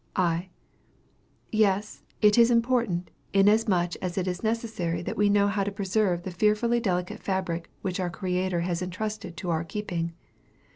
I. Yes. It is important, inasmuch as it is necessary that we know how to preserve the fearfully delicate fabric which our Creator has entrusted to our keeping.